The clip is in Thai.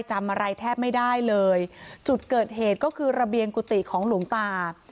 จำอะไรแทบไม่ได้เลยจุดเกิดเหตุก็คือระเบียงกุฏิของหลวงตา